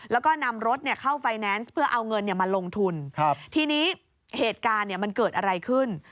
แล้วก็นำรถเข้าไฟแนนซ์เพื่อเอาเงินมาลงทุนทีนี้เหตุการณ์มันเกิดอะไรขึ้น